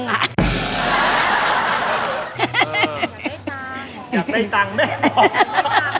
อยากได้กระตังแม่บอก